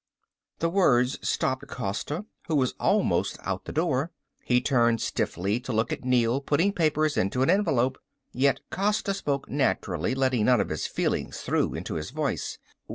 The words stopped Costa, who was almost out the door. He turned stiffly to look at Neel putting papers into an envelope. Yet Costa spoke naturally, letting none of his feelings through into his voice.